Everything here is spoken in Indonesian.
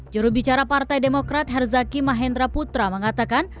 juru bicara partai demokrat herzaki mahendra putra mengatakan